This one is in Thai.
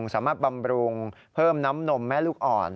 บำรุงเพิ่มน้ำนมแม่ลูกอ่อน